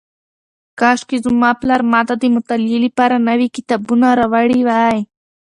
کاشکې زما پلار ماته د مطالعې لپاره نوي کتابونه راوړي وای.